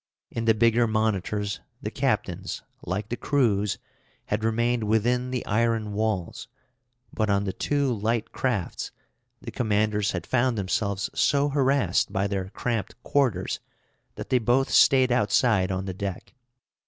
In the bigger monitors the captains, like the crews, had remained within the iron walls; but on the two light crafts the commanders had found themselves so harassed by their cramped quarters, that they both stayed outside on the deck.